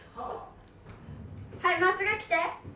はいまっすぐ来て！